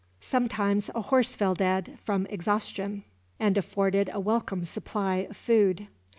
Sometimes a horse fell dead, from exhaustion, and afforded a welcome supply of food.